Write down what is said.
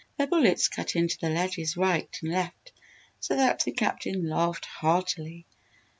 Their bullets cut into the ledges right and left so that the Captain laughed heartily.